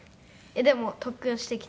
でも特訓してきたので。